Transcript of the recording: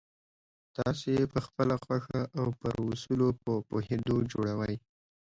تاسې یې پخپله خوښه او پر اصولو په پوهېدو جوړوئ